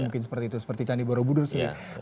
mungkin seperti itu seperti candi borobudur sendiri